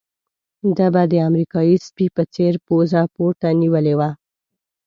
ده به د امریکایي سپي په څېر پوزه پورته نيولې وه.